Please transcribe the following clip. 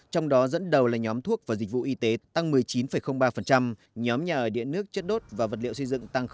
trong đó dẫn đầu là nhóm thuốc và dịch vụ y tế tăng một mươi chín ba nhóm nhà ở điện nước chất đốt và vật liệu xây dựng tăng